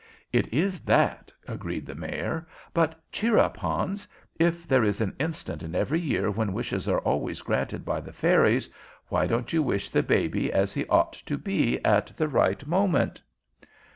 "It is that," agreed the Mayor. "But cheer up, Hans. If there is an instant in every year when wishes are always granted by the fairies, why don't you wish the baby as he ought to be at the right moment?"